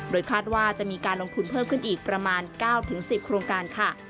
โดยคาดว่าจะมีการลงทุนเพิ่มขึ้นอีกประมาณ๙๑๐โครงการค่ะ